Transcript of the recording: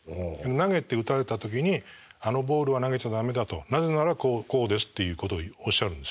投げて打たれた時にあのボールは投げちゃ駄目だとなぜならこうこうですっていうことをおっしゃるんですよ。